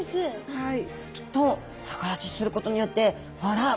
はい。